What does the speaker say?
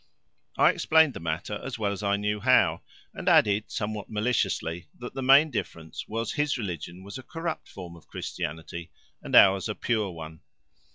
I explained the matter as well as I knew how, and added, somewhat maliciously, that the main difference was his religion was a corrupt form of Christianity and ours a pure one.